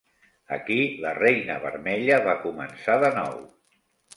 Aquí, la reina vermella va començar de nou.